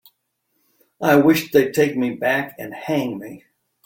I wish they'd take me back and hang me.